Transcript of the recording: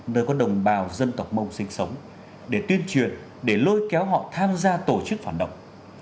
nơi có đồng bào dân tộc mông sinh sống để tuyên truyền để lôi kéo họ tham gia tổ chức phản động